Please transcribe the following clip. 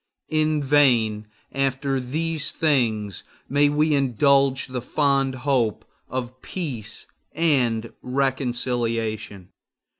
In vain, after these things, may we indulge the fond hope of peace and reconciliation.